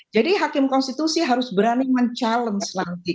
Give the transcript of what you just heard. jadi hakim konstitusi harus berani mencabar lagi